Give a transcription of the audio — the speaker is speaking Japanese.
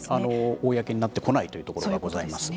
公になってこないというところがございます。